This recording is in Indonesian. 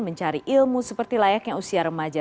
mencari ilmu seperti layaknya usia remaja